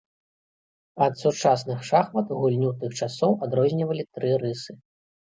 Ад сучасных шахмат гульню тых часоў адрознівалі тры рысы.